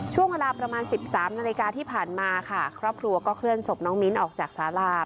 ช่วงประมานสิบสามนาฬิกาที่ผ่านมาครอบครัวก็เคลื่อนศพน้องมิ้นต์ออกจากศาลา